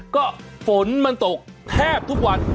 ก็ฝนมันตกแทบทุกวัน